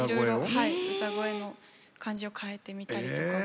はい歌声の感じを変えてみたりとか。